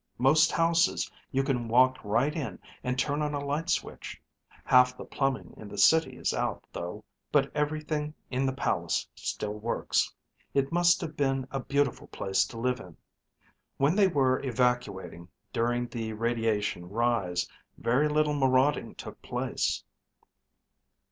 Most houses you can walk right in and turn on a light switch. Half the plumbing in the city is out, though. But everything in the palace still works. It must have been a beautiful place to live in. When they were evacuating during the radiation rise, very little marauding took place...."